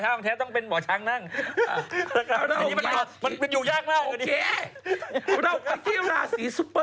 ชาราภาษณ์เค้นทิรเดชบาริโอ